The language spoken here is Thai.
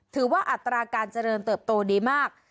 อัตราการเจริญเติบโตดีมาก